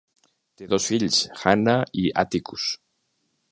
Té dos fills, Hannah i Atticus.